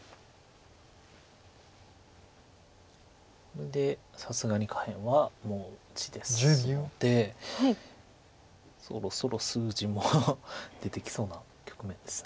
これでさすがに下辺はもう地ですのでそろそろ数字も出てきそうな局面です。